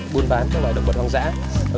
buôn bán các loài động vật hoàng dã